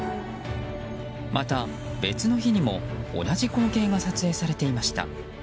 また、別の日にも同じ光景が撮影されていました。